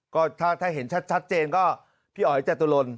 ก็ถ้าเห็นชัดเจนก็พี่อ๋อยจตุรน